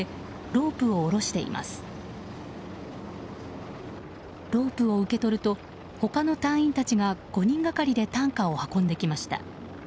ロープを受け取ると他の隊員たちが５人がかりで担架を運んできました。